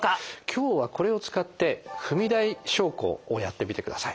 今日はこれを使って踏み台昇降をやってみてください。